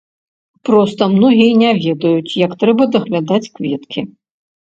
Проста многія не ведаюць, як трэба даглядаць кветкі.